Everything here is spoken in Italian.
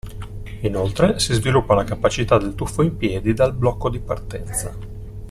Inoltre, si sviluppa la capacità del tuffo in piedi dal blocco di partenza.